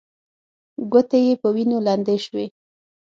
ګوتې يې په وينو لندې شوې.